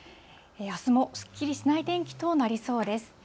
あすもすっきりしない天気となりそうです。